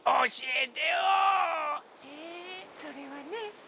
えそれはね